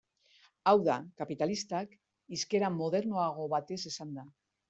Hau da, kapitalistak, hizkera modernoago batez esanda.